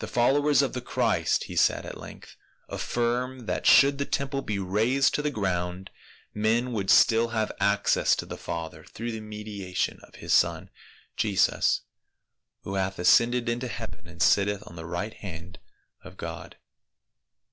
"The followers of the Christ," he said at length, " affirm that should the temple be razed to the ground, men would still have access to the Father through the mediation of his son Jesus, who hath ascended into heaven and sitteth on the right hand of God."